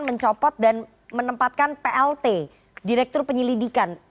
mencopot dan menempatkan plt direktur penyelidikan